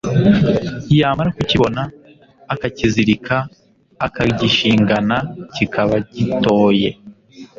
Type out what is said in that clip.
Yamara kukibona akakizirika akagishingana kikaba gitoye